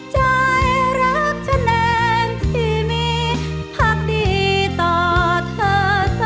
ใจรักฉันเองที่มีพักดีต่อเธอสม่า